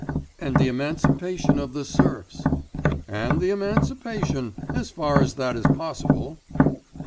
'And the emancipation of the serfs.' 'And the emancipation ... as far as that is possible.